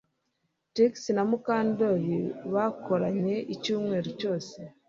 Trix na Mukandoli bakoranye icyumweru cyose